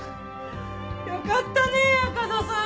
よかったね赤座さん。